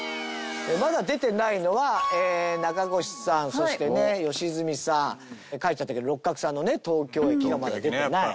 まだ出てないのは中越さんそしてね良純さん帰っちゃったけど六角さんのね東京駅がまだ出てない。